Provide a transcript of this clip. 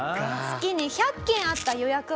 月に１００件あった予約はですね